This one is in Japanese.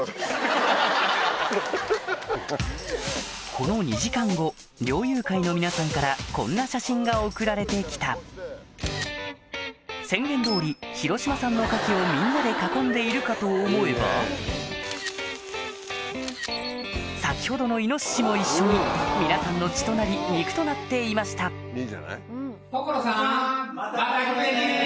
この２時間後猟友会の皆さんからこんな写真が送られてきた宣言通り広島産の牡蠣をみんなで囲んでいるかと思えば先ほどのイノシシも一緒に皆さんの血となり肉となっていましたいいじゃない。